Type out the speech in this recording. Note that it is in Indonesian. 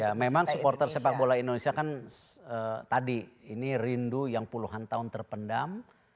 ya memang supporter sepak bola indonesia kan tadi ini rindu yang puluhan tahun terpendam